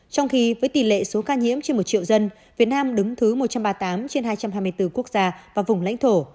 trong khi với tỷ lệ số ca nhiễm trên một triệu dân việt nam đứng thứ một trăm ba mươi tám trên hai trăm hai mươi bốn quốc gia và vùng lãnh thổ